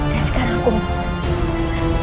dan sekarang aku mohon